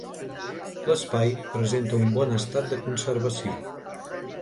L'espai presenta un bon estat de conservació.